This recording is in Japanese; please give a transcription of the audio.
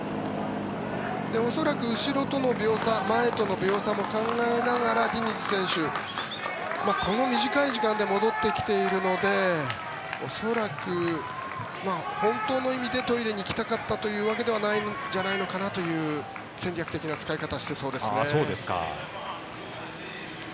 恐らく、後ろとの秒差前との秒差も考えながらディニズ選手、この短い時間で戻ってきているので恐らく本当の意味でトイレに行きたかったわけではないんじゃないのかなという戦略的な使い方をしてそうですね。